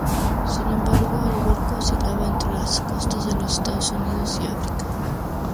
Sin embargo, el barco oscilaba entre las costas de los Estados Unidos y África.